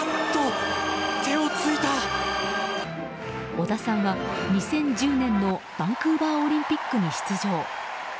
織田さんは２０１０年のバンクーバーオリンピックに出場。